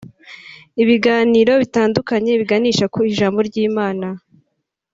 Ibiganiro bitandukanye biganisha ku ijambo ry’Imana